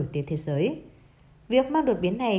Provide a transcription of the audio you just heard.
thế giới việc mang đột biến này